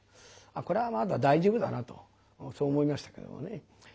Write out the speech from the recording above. これはまだ大丈夫だなとそう思いましたけどもね。